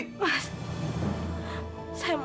aku dengar sedikit